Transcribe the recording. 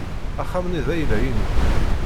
Axxam-nni d ayla-inu.